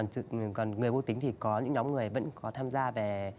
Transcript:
còn người vô tính thì có những nhóm người vẫn có tham gia về